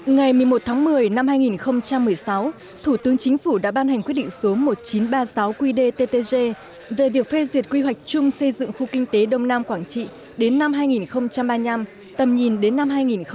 ngày một mươi một tháng một mươi năm hai nghìn một mươi sáu thủ tướng chính phủ đã ban hành quyết định số một nghìn chín trăm ba mươi sáu qdttg về việc phê duyệt quy hoạch chung xây dựng khu kinh tế đông nam quảng trị đến năm hai nghìn ba mươi năm tầm nhìn đến năm hai nghìn năm mươi